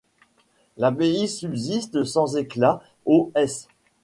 L'abbaye subsiste sans éclat au s.